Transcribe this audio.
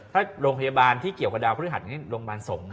ถ้าโรงพยาบาลที่เกี่ยวกับดาวพฤหัสโรงพยาบาลสงฆ์